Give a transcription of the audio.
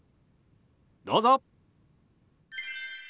どうぞ！